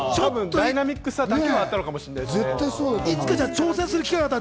ダイナミックさだけはあったのかもしれません。